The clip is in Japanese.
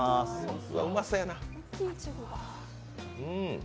うまそうやな。